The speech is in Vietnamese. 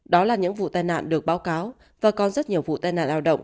đó là những vụ tên nạn được báo cáo và còn rất nhiều vụ tên nạn lao động